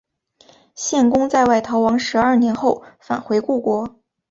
献公在外逃亡十二年后返回故国。